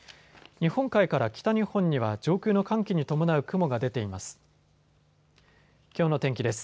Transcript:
日本海から北日本には上空の寒気に伴う雲が出ています。